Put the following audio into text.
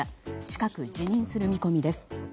近く辞任する見込みです。